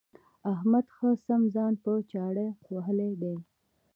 احمد ښه سم ځان په چاړه وهلی دی.